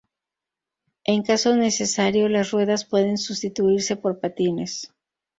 En caso necesario las ruedas pueden sustituirse por patines.